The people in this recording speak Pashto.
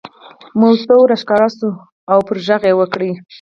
مستو راښکاره شوه او یې پرې غږ وکړ.